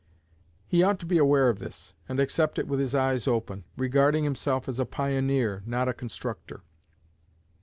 He ought to be aware of this, and accept it with his eyes open, regarding himself as a pioneer, not a constructor.